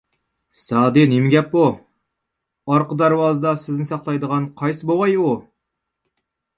زادى نېمە گەپ بۇ؟ ئارقا دەرۋازىدا سىزنى ساقلايدىغان قايسى بوۋاي ئۇ؟